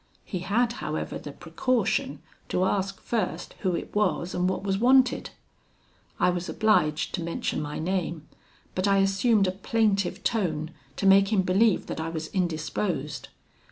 He had, however, the precaution to ask first who it was, and what was wanted? I was obliged to mention my name, but I assumed a plaintive tone, to make him believe that I was indisposed.